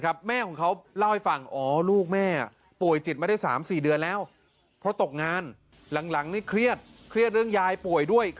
ใครทำให้ห่ากลัวเรื่องนี้ตัวเนี้ยไม่เกิดในวันนี้